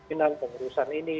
inilah pengurusan ini